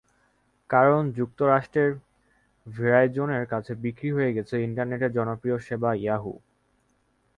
কারণ, যুক্তরাষ্ট্রের ভেরাইজনের কাছে বিক্রি হয়ে গেছে ইন্টারনেটের জনপ্রিয় সেবা ইয়াহু।